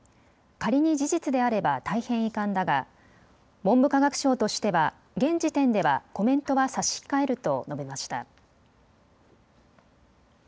仮に事実であれば大変遺憾だが文部科学省としては現時点ではコメントは差し控えると述べました。